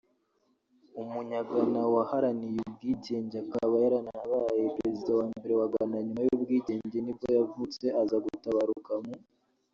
umunyagana waharaniye ubwigenge akaba yaranabaye perezida wa mbere wa Ghana nyuma y’ubwigenge nibwo yavutse aza gutabaruka mu